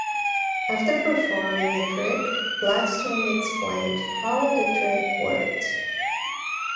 After performing a trick, Blackstone explained how the trick worked.